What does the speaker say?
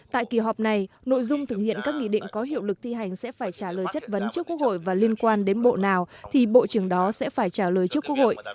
tại kỳ họp này nội dung thực hiện các nghị định có hiệu lực thi hành sẽ phải trả lời chất vấn trước quốc hội và liên quan đến bộ nào thì bộ trưởng đó sẽ phải trả lời trước quốc hội